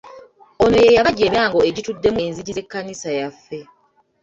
Ono ye yabajja emyango egituddemu enzigi z’ekkanisa yaffe.